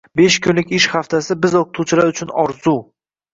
Besh kunlik ish haftasi biz o‘qituvchilar uchun orzu